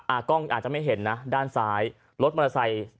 กล้องอาจจะไม่เห็นนะด้านซ้ายรถมอเตอร์ไซค์